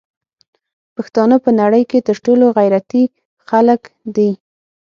پښتانه په نړی کی تر ټولو غیرتی خلک دی